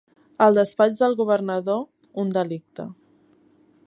El despatx del governador, un delicte.